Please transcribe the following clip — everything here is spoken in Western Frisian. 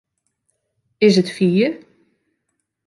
Is it fier?